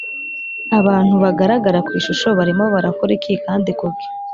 Abantu bagaragara ku ishusho barimo barakora iki kandi kuki